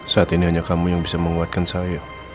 saat ini hanya kamu yang bisa menguatkan saya